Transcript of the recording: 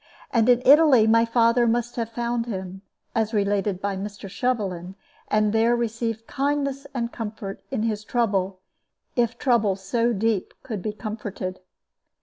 And in Italy my father must have found him, as related by Mr. Shovelin, and there received kindness and comfort in his trouble, if trouble so deep could be comforted.